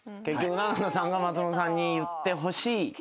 結局永野さんが松本さんに言ってほしい。